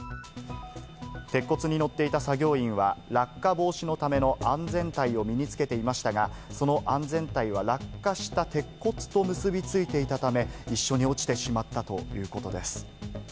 鉄骨に乗っていた作業員は、落下防止のための安全帯を身につけていましたが、その安全帯は落下した鉄骨と結びついていたため、一緒に落ちてしまったということです。